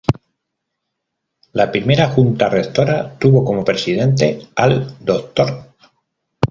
La primera Junta Rectora tuvo como Presidente al Dr.